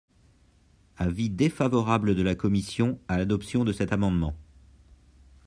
Avis défavorable de la commission à l’adoption de cet amendement.